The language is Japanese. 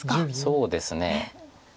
そうですね。